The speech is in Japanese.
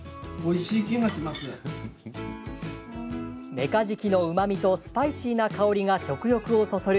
メカジキのうまみとスパイシーな香りが食欲をそそる